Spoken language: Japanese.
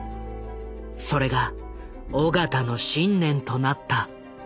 それが緒方の信念となった。